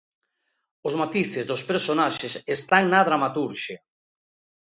Os matices dos personaxes están na dramaturxia.